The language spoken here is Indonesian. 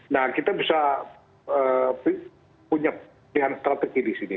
nah kita bisa punya pilihan strategi di sini